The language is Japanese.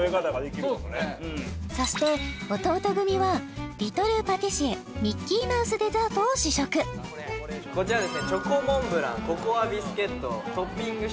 そして弟組はリトルパティシエ・ミッキーマウスデザートを試食自分で？